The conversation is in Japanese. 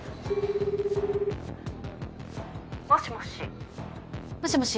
もしもし。